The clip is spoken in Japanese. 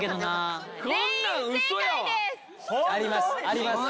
あります。